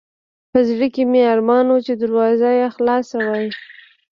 په زړه کې مې ارمان و چې دروازه یې خلاصه وای.